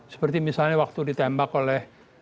seperti misalnya waktu ditembak oleh